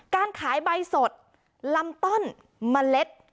การขายใบสดลำต้นเมล็ด